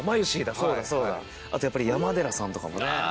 あとやっぱり山寺さんとかもね。